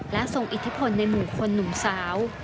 และทรงอิทธิพลในหมู่คนหนุ่มสาว